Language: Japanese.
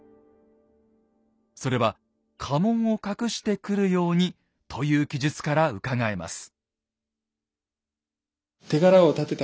それは家紋を隠して来るようにという記述からうかがえます。